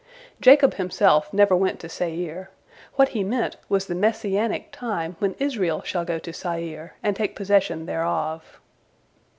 Jacob himself never went to Seir. What he meant was the Messianic time when Israel shall go to Seir, and take possession thereof.